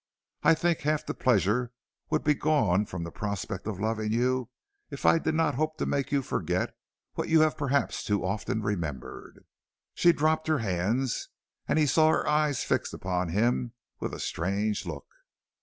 I think half the pleasure would be gone from the prospect of loving you if I did not hope to make you forget what you have perhaps too often remembered." She dropped her hands, and he saw her eyes fixed upon him with a strange look.